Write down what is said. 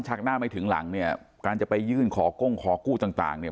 หน้าไม่ถึงหลังเนี่ยการจะไปยื่นขอก้งขอกู้ต่างต่างเนี่ย